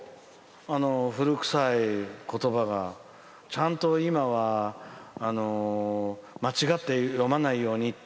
古臭い言葉がちゃんと今は間違えて読まないようにって